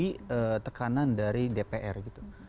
dan menyetujui tekanan dari dpr gitu